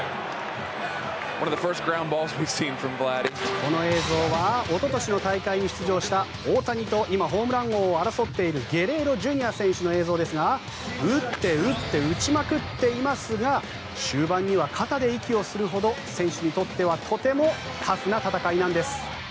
この映像はおととしの大会に出場した大谷と今、ホームラン王を争っているゲレーロＪｒ．選手の映像ですが打って打って打ちまくっていますが終盤には肩で息をするほど選手にとってはとてもタフな戦いなんです。